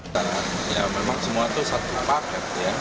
ya memang semua itu satu paket ya